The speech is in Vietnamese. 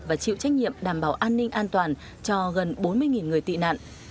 và chịu trách nhiệm đảm bảo an ninh an toàn cho gần bốn mươi người tị nạn